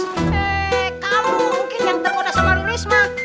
eh kamu mungkin yang tergoda sama lilis mah